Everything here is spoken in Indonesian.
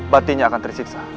batinya akan tersiksa